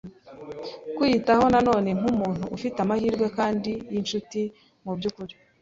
kwiyitaho na none nkumuntu ufite amahirwe kandi yinshuti. Mubyukuri